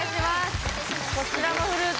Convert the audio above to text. こちらもフルーツ。